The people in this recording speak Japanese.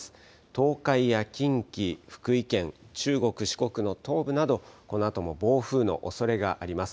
東海や近畿、福井県、中国、四国の東部など、このあとも暴風のおそれがあります。